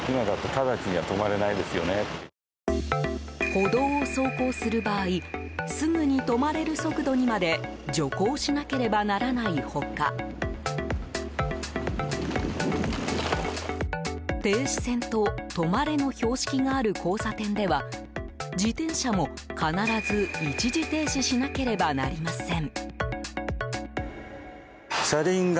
歩道を走行する場合すぐに止まれる速度にまで徐行しなければならない他停止線と止まれの標識がある交差点では自転車も必ず一時停止しなければなりません。